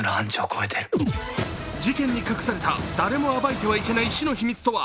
事件に隠された誰も暴いてはいけない死の秘密とは？